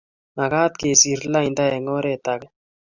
Magat kesir lainda eng oret age